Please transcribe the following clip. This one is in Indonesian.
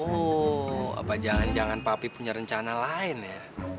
oh apa jangan jangan papi punya rencana lain ya